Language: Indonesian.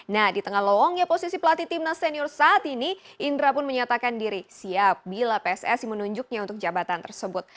nah di tengah lowongnya posisi pelatih timnas senior saat ini indra pun menyatakan diri siap bila pssi menunjuknya untuk jabatan tersebut